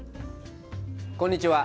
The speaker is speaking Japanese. こんにちは。